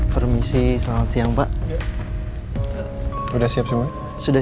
permisi selamat siang pak sudah siap semuanya